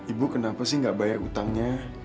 ibu kenapa sih nggak bayar utangnya